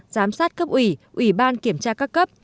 giám sát cấp ủy ủy ban kiểm tra các cấp